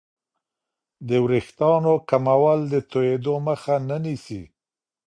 د وریښتانو کمول د توېدو مخه نه نیسي.